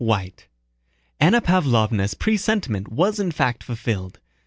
CHAPTER II Anna Pávlovna's presentiment was in fact fulfilled.